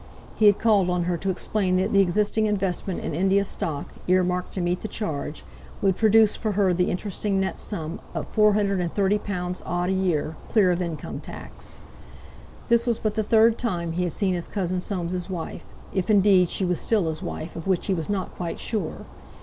He had called on her to explain that the existing investment in India Stock, ear marked to meet the charge, would produce for her the interesting net sum of £430 odd a year, clear of income tax. This was but the third time he had seen his cousin Soames' wife—if indeed she was still his wife, of which he was not quite sure.